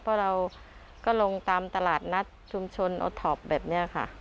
เพราะเราก็ลงตามตลาดนัดชุมชนโอท็อปแบบนี้ค่ะ